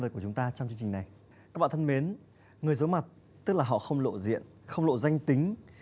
xin chào các bạn thân mến người giống mặt tức là họ không lộ diện không lộ danh tính